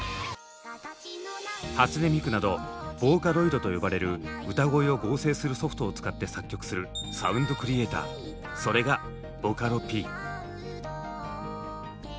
初音ミクなどボーカロイドと呼ばれる歌声を合成するソフトを使って作曲するサウンドクリエーターそれがボカロＰ。